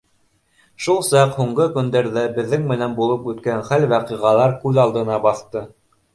Шул саҡ һуңғы көндәрҙә беҙҙең менән булып үткән хәл-ваҡиғалар күҙ алдына баҫты.